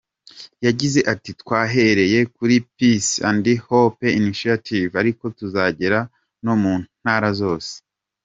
Yagize ati “Twahereye kuri Peace and Hope Initiative ariko tuzagera no mu ntara zose.